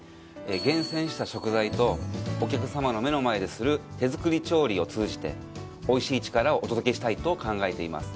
厳選した食材とお客さまの目の前でする手作り調理を通じておいしい力をお届けしたいと考えています。